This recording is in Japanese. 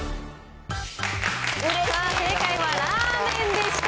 さあ、正解はラーメンでした。